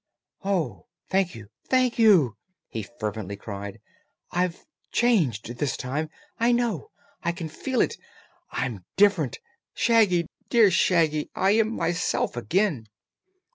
"Oh, thank you thank you!" he fervently cried. "I've changed, this time, I know. I can feel it! I'm different. Shaggy dear Shaggy I am myself again!"